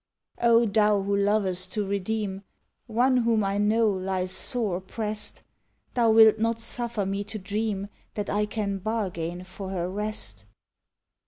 O Thou who lovest to redeem, One whom I know lies sore oppressed. Thou wilt not suffer me to dream That I can bargain for her rest.